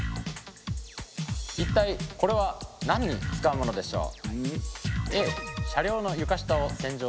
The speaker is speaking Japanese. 一体これは何に使うものでしょう？